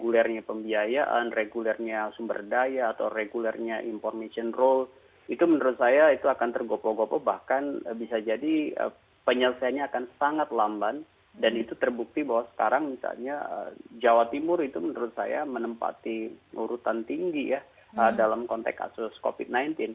regulernya pembiayaan regulernya sumber daya atau regulernya information role itu menurut saya itu akan tergopo gopo bahkan bisa jadi penyelesaiannya akan sangat lamban dan itu terbukti bahwa sekarang misalnya jawa timur itu menurut saya menempati urutan tinggi ya dalam konteks kasus covid sembilan belas